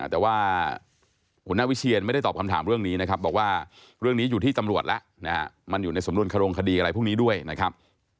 แต่ว่าหัวหน้าวิเชียนไม่ได้ตอบคำถามเรื่องนี้นะครับบอกว่าเรื่องนี้อยู่ที่ตำรวจแล้วนะฮะมันอยู่ในสำนวนขรงคดีอะไรพวกนี้ด้วยนะครับ